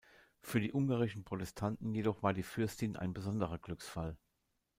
Für die ungarischen Protestanten jedoch war die Fürstin ein besonderer Glücksfall.